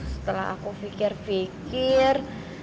setelah aku pikir pikir